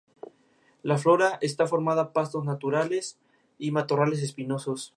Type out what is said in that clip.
La flora está formada pastos naturales y matorrales espinosos.